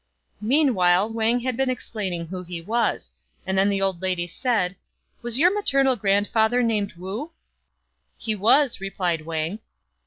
Meanwhile, Wang had been explaining who he was ; and then the old lady said, " Was your maternal grandfather named Wu? ;' "He was," replied Wang.